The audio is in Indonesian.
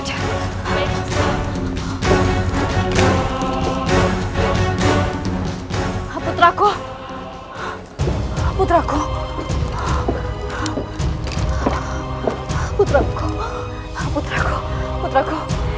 jangan tahu hak hak mu reck